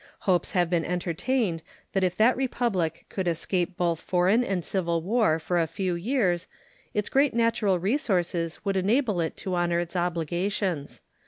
Hopes have been entertained that if that Republic could escape both foreign and civil war for a few years its great natural resources would enable it to honor its obligations.